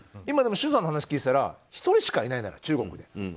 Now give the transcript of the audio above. でも周さんの話を聞いていたら１人しかいないなら、中国で。